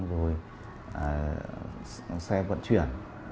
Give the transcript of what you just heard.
rồi xe vận chuyển